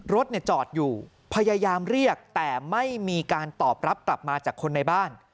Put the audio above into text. รถจอดอยู่พยายามเรียกแต่ไม่มีการตอบรับกลับมาจากคนในบ้าน